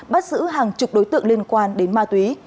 bắt giữ hàng chục đối tượng liên quan đến ma túy